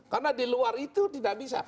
karena di luar itu tidak bisa